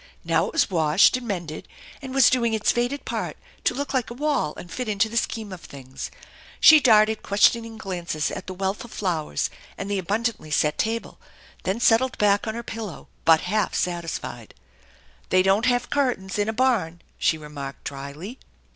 Now it was washed and mended, and was doing its faded part to look like a wall and fit into the scheme of things. She darted questioning glances at the wealth of flowers, and the abundantly set table, then settled back on her pillow but half satisfied. " They don't have curtains in a barn !" she remarked dryly.